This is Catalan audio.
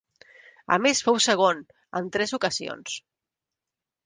A més fou segon en tres ocasions.